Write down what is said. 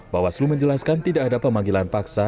bawaslu menjelaskan tidak ada pemanggilan paksa